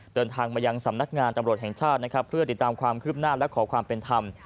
เดินทางมายังสำนักงานตำรวจแห่งชาตินะครับเพื่อติดตามความคืบหน้าและขอความเป็นธรรม